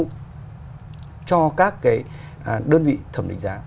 đối với những cái đơn vị thẩm định giá